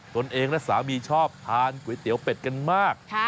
ตัวเองและสามีชอบทานก๋วยเตี๋ยวเป็ดกันมาก